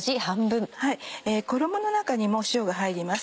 衣の中にも塩が入ります。